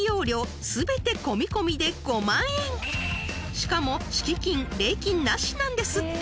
［しかも敷金礼金なしなんですって］